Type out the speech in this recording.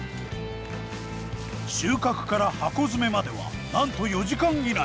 収穫から箱詰めまではなんと４時間以内。